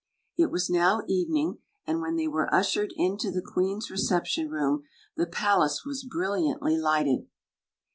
It was now evening; and when they were ushered into the queen's recepticm room the palace was bril liantly lighted.